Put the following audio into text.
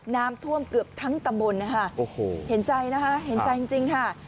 น้ำท่วมเกือบทั้งตำบลนะคะโอ้โหเห็นใจนะคะเห็นใจจริงค่ะ